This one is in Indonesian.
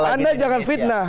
bentar anda jangan fitnah